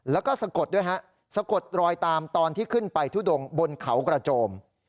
แล้วก็สะกดด้วยฮะสะกดรอยตามตอนที่ขึ้นไปทุดงบนเขากระโจม